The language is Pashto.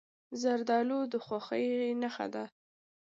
زردالو د خوښۍ نښه ده.